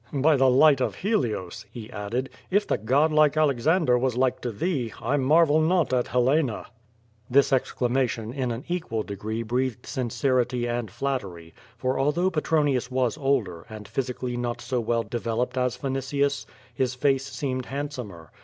"By the light of HeUos," he added, "if the god like Alex ander was like to thee, I marvel not at Helena." This exclamation in an equal degree breath^ sincerity and flattery, for although Petronius was older, and physically not so well developed as Vinitius, his face seemed hand somer.